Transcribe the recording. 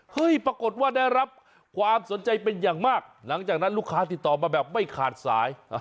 ปรากฏว่าได้รับความสนใจเป็นอย่างมากหลังจากนั้นลูกค้าติดต่อมาแบบไม่ขาดสาย